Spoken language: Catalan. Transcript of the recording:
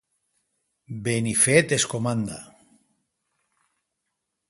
Benifet es comanda.